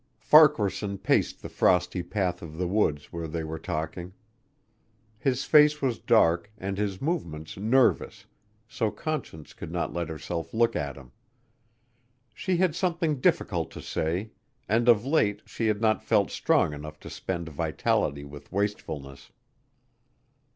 Farquaharson paced the frosty path of the woods where they were talking. His face was dark and his movements nervous so Conscience would not let herself look at him. She had something difficult to say and of late she had not felt strong enough to spend vitality with wastefulness.